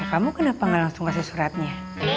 kamu kenapa gak langsung kasih suratnya